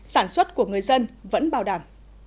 sản xuất của người dân vẫn bảo đảm